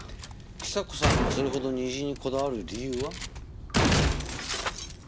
比佐子さんがそれほど虹にこだわる理由は？